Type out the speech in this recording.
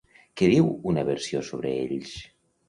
Què diu una versió sobre ells?